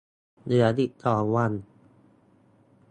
เหลืออีกสองวัน